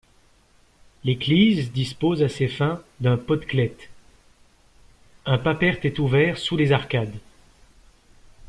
L'église dispose à ces fins d'un podklet, un paperte est ouvert sous les arcades.